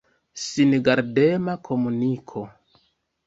Singardema komuniko.